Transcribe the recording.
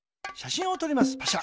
パシャ。